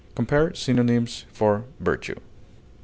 Compare synonyms for VIRTUE.